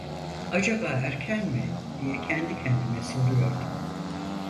Acaba erken mi, diye kendi kendime soruyordum.